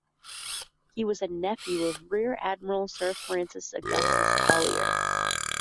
He was a nephew of Rear-Admiral Sir Francis Augustus Collier.